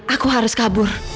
aku harus kabur